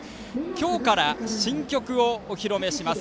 今日から新曲をお披露目します。